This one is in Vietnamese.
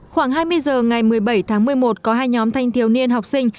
khoảng hai mươi giờ ngày một mươi bảy tháng một mươi một có hai nhóm thanh thiếu niên học sinh